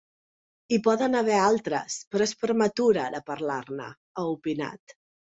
Hi poden haver altres, però és prematur ara parlar-ne, ha opinat.